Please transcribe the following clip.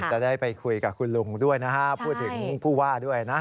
ได้ไปคุยกับคุณลุงด้วยนะฮะพูดถึงผู้ว่าด้วยนะ